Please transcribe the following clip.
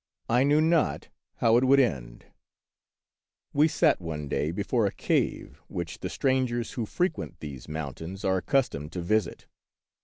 I knew not how it would end. 90 The Wonderful History We sat one day before a cave which the strangers who frequent these mountains are ac customed to visit.